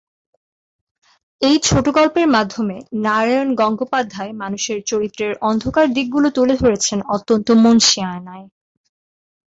এই ছোটগল্পের মাধ্যমে নারায়ণ গঙ্গোপাধ্যায় মানুষের চরিত্রের অন্ধকার দিকগুলো তুলে ধরেছেন অত্যন্ত মুনশিয়ানায়।